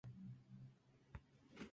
Le sucede Abd-ul-Aziz.